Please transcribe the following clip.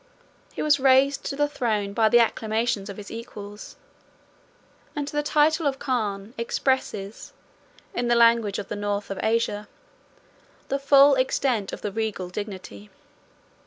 He was raised to the throne by the acclamations of his equals; and the title of Khan expresses, in the language of the North of Asia, the full extent of the regal dignity.